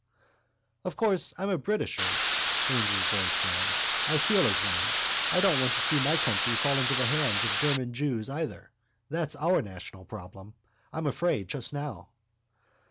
_ —Of course I'm a Britisher, Haines's voice said, and I feel as one. I don't want to see my country fall into the hands of German jews either. That's our national problem, I'm afraid, just now.